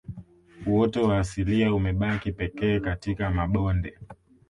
Uoto wa asilia umebaki pekee katika mabonde